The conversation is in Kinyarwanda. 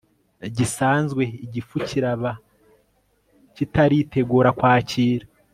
gisanzwe igifu kiraba kitaritegura kwakira